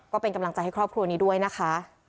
ก็เป็นกำลังใจให้ครอบครัวนี้ด้วยนะคะ